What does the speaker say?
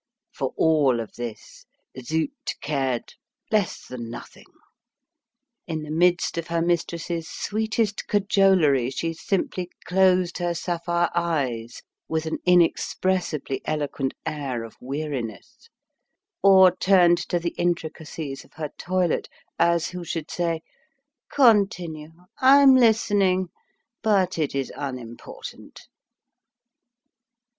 For all of this Zut cared less than nothing. In the midst of her mistress's sweetest cajolery, she simply closed her sapphire eyes, with an inexpressibly eloquent air of weariness, or turned to the intricacies of her toilet, as who should say: "Continue. I am listening. But it is unimportant."